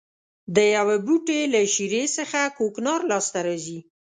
د یوه بوټي له شېرې څخه کوکنار لاس ته راځي.